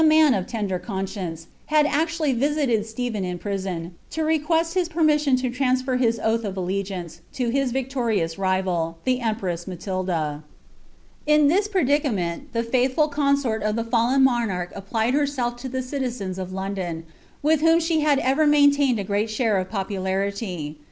in a( lender conscienee, had actually visited Stephen in prison, lO jL^joeai hb permission to transfer his oath of allegiance to bis victorioiif fiial, tlw cnipreis Matilda. !■ thia praUcameni, the faithful consort of the fallen monarch applied hxTMclf to the citizens of Londiin, with whutn she had ever muinlatliad a fTtBi share of popularity.